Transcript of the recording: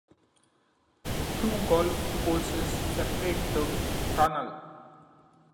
Two golf courses separate the canal.